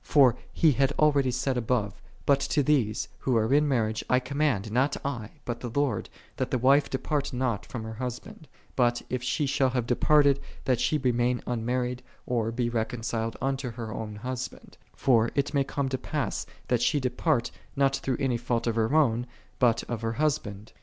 '* F'or he had already said above, " Bui lo Ihese, who are in marriage, I com mand, nol I, bul the Lord, that the wife de part nol from her husband: bul, if she shall have departed, lhal she remain unmarried, or be reconciled unto her own husband; '* for it may come to pass thai she depart, not through any fault of her own, bul of her husband.